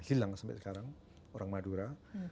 hilang sampai sekarang orang madura